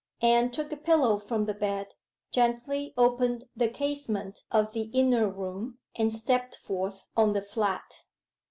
Anne took a pillow from the bed, gently opened the casement of the inner room and stepped forth on the flat.